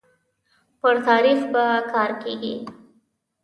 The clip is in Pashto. پر تاريخ به کار کيږي